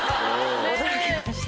驚きました。